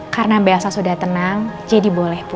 karena belsa sudah tenang jadi boleh bu